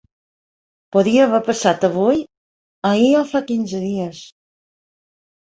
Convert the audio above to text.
Podia haver passat avui, ahir o fa quinze dies.